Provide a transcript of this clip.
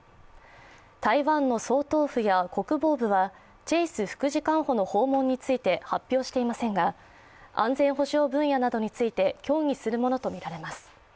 台湾の総統府や国防部はチェイス副次官補の訪問について発表していませんが安全保障分野などについて協議するものとみられます。